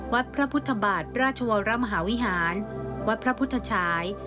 วัดพระพุทธบาทราชวรมหาวิหารวัดพระพุทธชาย